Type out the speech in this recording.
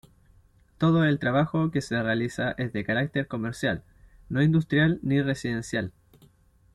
Todo el trabajo que se realiza es de carácter comercial, no industrial ni residencial.